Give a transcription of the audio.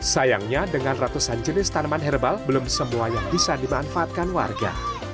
sayangnya dengan ratusan jenis tanaman herbal belum semuanya bisa dimanfaatkan warga